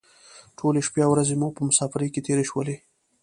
ټولې شپې او ورځې مو په مسافرۍ کې تېرې شولې.